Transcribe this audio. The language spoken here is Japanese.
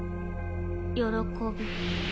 喜び。